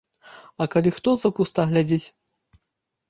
А калі хто з-за куста глядзіць?